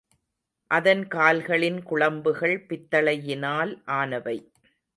அதன் கால்களின் குளம்புகள் பித்தளையினால் ஆனவை.